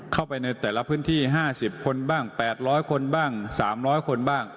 เข้าไปในแต่ละพื้นที่๕๐คนบ้าง๘๐๐คนบ้าง๓๐๐คนบ้าง